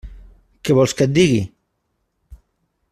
Què vols que et digui?